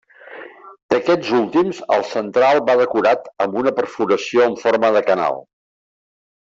D'aquests últims, el central va decorat amb una perforació en forma de canal.